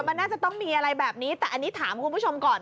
มันน่าจะต้องมีอะไรแบบนี้แต่อันนี้ถามคุณผู้ชมก่อน